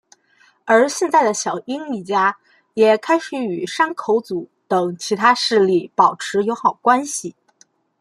而现在的小樱一家也开始与山口组等其他势力保持友好关系。